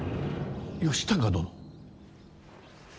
義高殿。